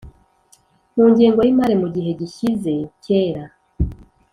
mu ngengo y'imari mu gihe gishyize kera.